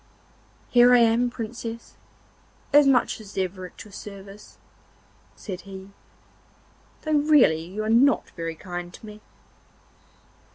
'Here I am, Princess, as much as ever at your service,' said he, 'though really you are not very kind to me.